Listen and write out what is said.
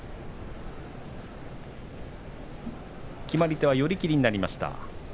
決まり手は寄り切りになりました。